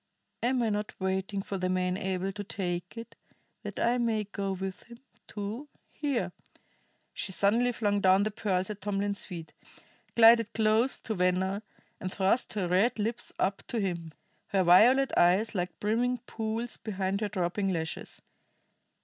Am I not waiting for the man able to take it, that I may go with him, too? Here " She suddenly flung down the pearls at Tomlin's feet, glided close to Venner, and thrust her red lips up to him, her violet eyes like brimming pools behind her drooping lashes.